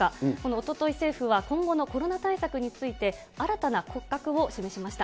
おととい政府は今後のコロナ対策について、新たな骨格を示しました。